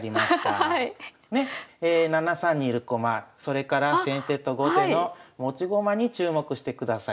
７三に居る駒それから先手と後手の持ち駒に注目してください。